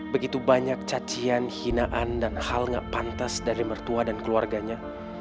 begitu banyak cacian hinaan dan hal gak pantas dari mertua dan keluarganya